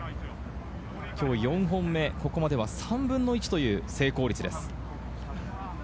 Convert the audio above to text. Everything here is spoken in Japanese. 今日４本目、ここまでは３分の１という成功率です。